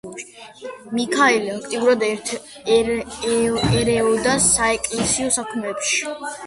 მიქაელი აქტიურად ერეოდა საეკლესიო საქმეებში.